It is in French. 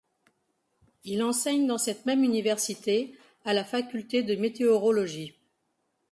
Il enseigne dans cette même université à la faculté de météorologie.